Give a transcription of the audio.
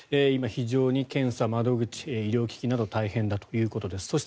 今、非常に検査窓口医療機器など大変だということです。